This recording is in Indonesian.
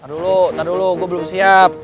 tar dulu tar dulu gue belum siap